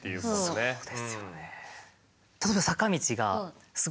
そうですよね。